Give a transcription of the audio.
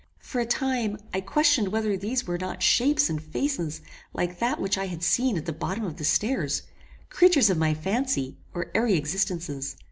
For a time I questioned whether these were not shapes and faces like that which I had seen at the bottom of the stairs, creatures of my fancy or airy existences.